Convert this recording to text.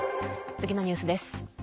次のニュースです。